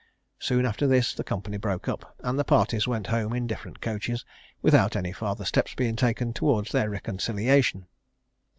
Soon after this the company broke up, and the parties went home in different coaches, without any farther steps being taken towards their reconciliation.